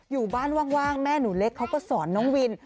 อยู่บ้านว่างแม่หนูเล็กเขาก็สอนน้องวิน